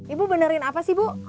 ibu benerin apa sih bu